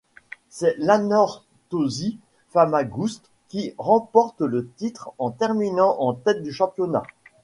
C'est l'Anorthosis Famagouste qui remporte le titre en terminant en tête du championnat.